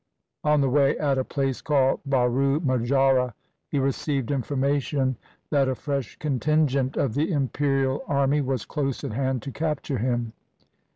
On the way at a place called Baru Majara he received information that a fresh contingent of the imperial army was close at hand to capture him.